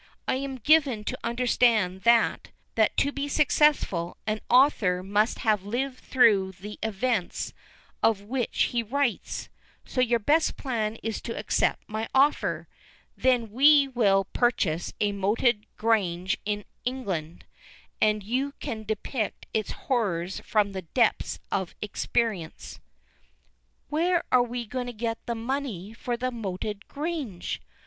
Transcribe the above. I am given to understand that, to be successful, an author must have lived through the events of which he writes, so your best plan is to accept my offer; then we will purchase a moated grange in England, and you can depict its horrors from the depths of experience." "Where are we to get the money for the moated grange?